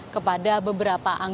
kepada beberapa orang